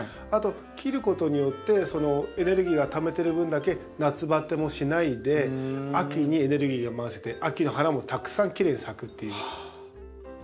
あと切ることによってエネルギーがためてる分だけ夏バテもしないで秋にエネルギーが回せて秋の花もたくさんきれいに咲くっていう。